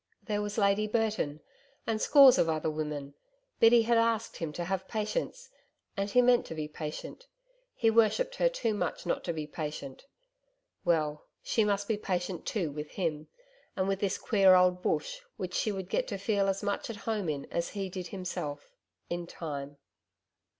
There was Lady Burton and scores of other women Biddy had asked him to have patience and he meant to be patient he worshipped her too much not to be patient. Well, she must be patient too with him, and with this queer old Bush which she would get to feel as much at home in as he did himself in time.